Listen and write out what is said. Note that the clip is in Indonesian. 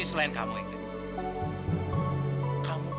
mencelangkai ranti selain kamu ingrid